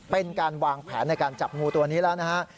เป็นการวางแผนในการจับงูตัวนี้แล้วนะฮะ